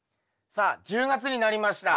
さあ１０月になりました。